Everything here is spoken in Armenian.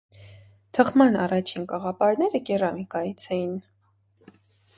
Թխման առաջին կաղապարները կերամիկայից էին։